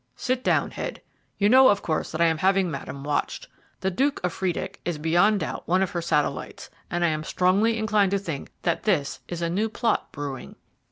"Sit down, Head. You know, of course, that I am having Madame watched. The Duke of Friedeck is beyond doubt one of her satellites, and I am strongly inclined to think that this is a new plot brewing."